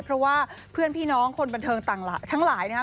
เพราะว่าเพื่อนพี่น้องคนบันเทิงต่างทั้งหลายนะครับ